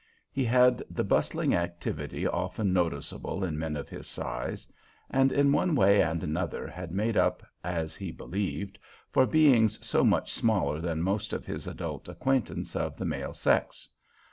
He had the bustling activity often noticeable in men of his size, and in one way and another had made up, as he believed, for being so much smaller than most of his adult acquaintance of the male sex.